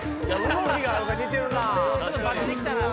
動きが似てるなぁ。